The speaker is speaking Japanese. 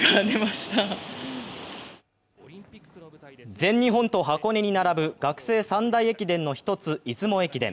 全日本と箱根に並ぶ学生三大駅伝の１つ出雲駅伝。